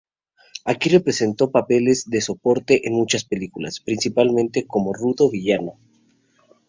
Aquí representó papeles de soporte en muchas películas, principalmente como un rudo villano.